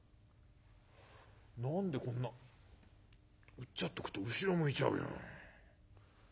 うっちゃっとくと後ろ向いちゃうよ。